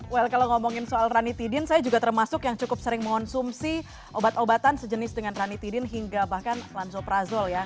well kalau ngomongin soal ranitidin saya juga termasuk yang cukup sering mengonsumsi obat obatan sejenis dengan ranitidin hingga bahkan lansoprazol ya